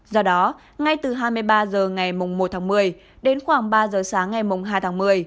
do đó ngay từ hai mươi ba h ngày một tháng một mươi đến khoảng ba giờ sáng ngày hai tháng một mươi